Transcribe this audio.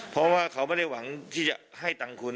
เพราะว่าเขาไม่ได้หวังที่จะให้ตังค์คุณ